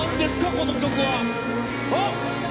この曲は！